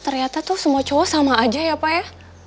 ternyata tuh semua cowok sama aja ya pak ya